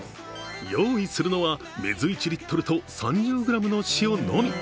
用意するのは水１リットルと３０ｇの塩のみ。